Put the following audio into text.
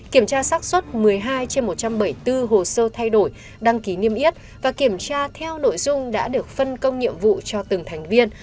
kiểm tra sát xuất một mươi hai trên một trăm bảy mươi bốn hồ sơ thay đổi đăng ký niêm yết và kiểm tra theo nội dung đã được phân công nhiệm vụ cho từng thành viên